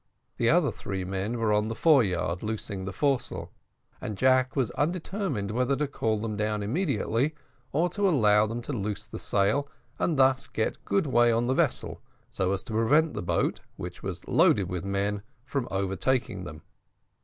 The other three men were on the foreyard loosing the foresail, and Jack was undetermined whether to call them down immediately or to allow them to loose the sail, and thus get good way on the vessel, so as to prevent the boat, which was loaded with men, from overtaking them.